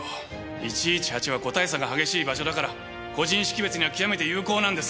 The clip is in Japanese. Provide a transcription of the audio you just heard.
１１８は個体差が激しい場所だから個人識別には極めて有効なんです。